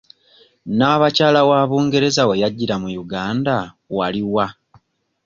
Naabakyala wa Bungereza we yajjira mu Uganda wali wa?